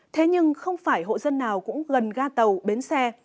thế nhưng không phải hộ dân nào cũng gần ga tàu bến xe